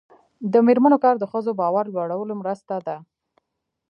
د میرمنو کار د ښځو باور لوړولو مرسته ده.